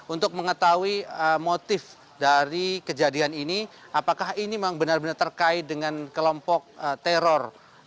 untuk mengetahui motif dari kejadian ini apakah ini memang benar benar terkait dengan kelompok teror